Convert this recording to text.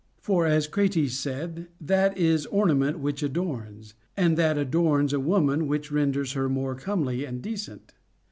For, as Crates said, that is ornament which adorns ; and that adorns a woman which renders her more comely and decent.